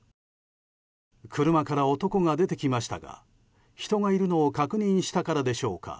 車から男が出てきましたが人がいるのを確認したからでしょうか